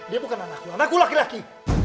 dia bukan anaknya anakku laki laki